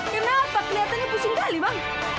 kenapa muka abang kusut kali bang